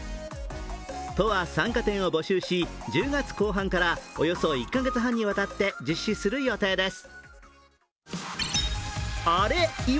都は参加店を募集し、１０月後半からおよそ１カ月半にわたって実施する予定です。